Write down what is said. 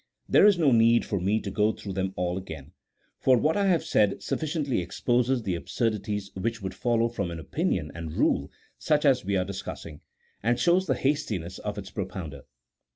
There is no need for me to go through them all again, for what I have said sufficiently exposes the absurdi ties which would follow from an opinion and rule such as we are discussing, and shows the hastiness of its pro pounder.